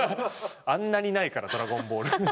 あんなにないからドラゴンボール。